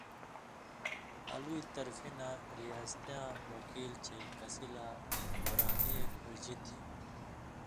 الُوی طرفی نہ ریاستیاں وکیل چے کسی لا ورانی گُھرژِی تھی